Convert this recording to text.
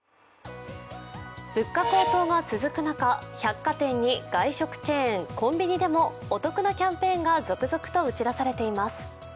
物価高騰が続く中、百貨店に外食チェーン、コンビニでもお得なキャンペーンが続々と打ち出されています。